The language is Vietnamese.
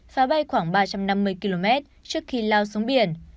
phá bay khoảng ba trăm năm mươi km trước khi lao xuống biển